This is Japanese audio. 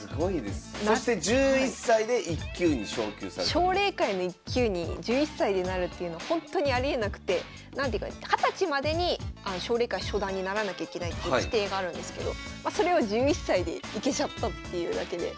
奨励会の１級に１１歳でなるっていうのはほんとにありえなくて二十歳までに奨励会初段にならなきゃいけないっていう規定があるんですけどまそれを１１歳でいけちゃったっていうわけで。